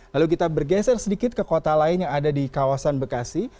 lalu kita bergeser sedikit ke kota lain yang ada di kawasan bekasi